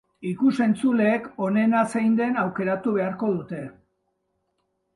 Ikus-entzuleek onena zein den aukeratu beharko dute.